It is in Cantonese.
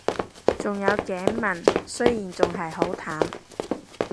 仲有頸紋，雖然仲係好淡